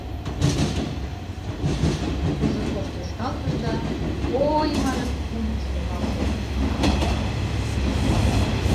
— Пузырьков тӧршталтыш да, «о-ой!» манын, кумык шуҥгалте.